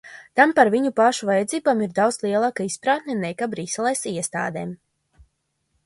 Tām par viņu pašu vajadzībām ir daudz lielāka izpratne nekā Briseles iestādēm.